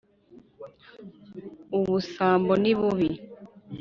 Ubusambo ni bubi.